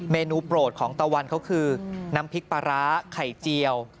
นูโปรดของตะวันเขาคือน้ำพริกปลาร้าไข่เจียว